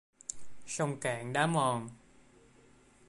Sông cạn đá mòn